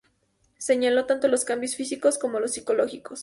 Señaló tanto los cambios físicos como los psicológicos.